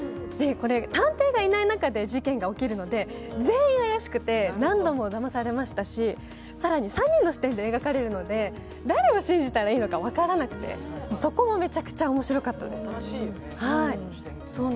探偵がいない中で事件が起きるので全員怪しくて、何度もだまされましたし更に３人の視点で描かれるので、誰を信じたらいいのか分からなくて、そこも、めちゃくちゃ面白かったです。